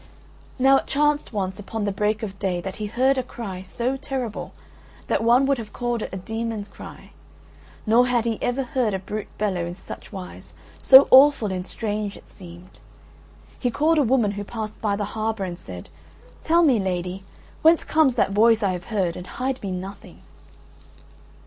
Now it chanced once upon the break of day that he heard a cry so terrible that one would have called it a demon's cry; nor had he ever heard a brute bellow in such wise, so awful and strange it seemed. He called a woman who passed by the harbour, and said: "Tell me, lady, whence comes that voice I have heard, and hide me nothing."